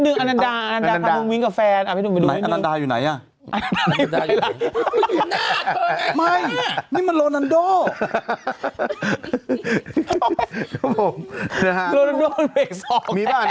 ไวร์น้ำเลยมาราณมดูดูดูดูเสียงด้วย